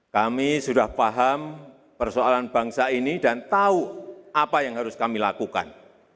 kami sudah paham persoalan bangsa ini dan tahu apa yang harus kami lakukan